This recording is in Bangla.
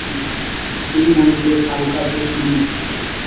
এই মন্দিরের কারুকার্য সুন্দর।